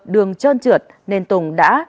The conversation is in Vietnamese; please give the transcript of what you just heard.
đường trơn trượt nên tùng đã